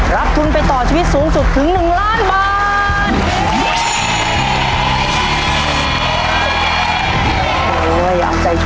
รับทุนไปต่อชีวิตสูงสุดถึง๑ล้านบาท